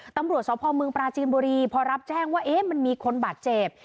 ตำรวจสพเมืองปราจีนบุรีพอรับแจ้งว่ามันมีคนบาดเจ็บ